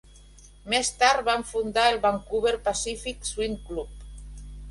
Més tard va fundar el Vancouver Pacific Swim Club.